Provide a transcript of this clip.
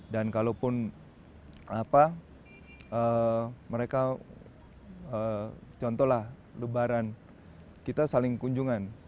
dan kalau pun mereka contohlah lebaran kita saling kunjungan